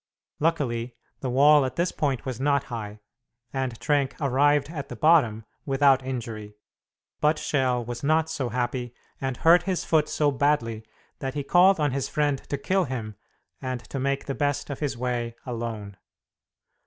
Luckily, the wall at this point was not high, and Trenck arrived at the bottom without injury; but Schell was not so happy, and hurt his foot so badly that he called on his friend to kill him, and to make the best of his way alone.